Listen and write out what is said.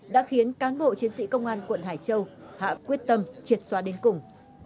đã khiến cán bộ chiến sĩ công an quận hải châu hạ quyết tâm triệt xóa đến cùng